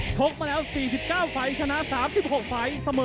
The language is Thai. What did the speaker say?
โชคมาแล้วสี่สิบเก้าไฟล์ชนะสามสิบหกไฟล์